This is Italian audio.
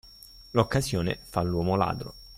L'occasione fa l'uomo ladro.